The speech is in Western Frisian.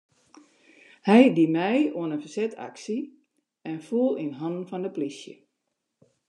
Hy die mei oan in fersetsaksje en foel yn hannen fan de polysje.